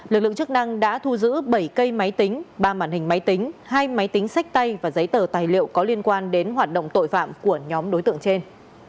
lực lượng chức năng đã thu giữ bảy cây máy tính ba màn hình máy tính hai máy tính sách tay và giấy tờ tài liệu có liên quan đến hoạt động tội phạm của nhóm đối tượng trên